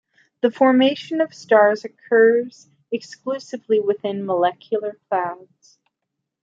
The formation of stars occurs exclusively within molecular clouds.